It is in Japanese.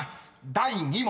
第２問］